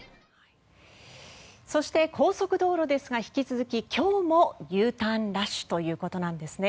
そして高速道路ですが引き続き今日もＵターンラッシュということなんですね。